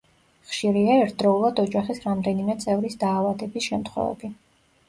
ხშირია ერთდროულად ოჯახის რამდენიმე წევრის დაავადების შემთხვევები.